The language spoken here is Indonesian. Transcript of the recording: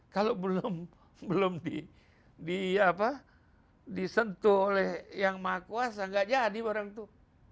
kalau belum belum di di apa disentuh oleh yang maha kuasa gak jadi barang itu